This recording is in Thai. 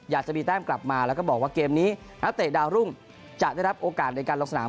อยากจะมีแต้มกลับมาแล้วก็บอกว่าเกมนี้นักเตะดาวรุ่งจะได้รับโอกาสในการลงสนาม